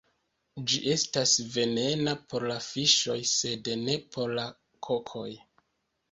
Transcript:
Ĝi estas venena por la fiŝoj, sed ne por la kokoj.